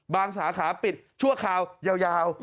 สาขาปิดชั่วคราวยาว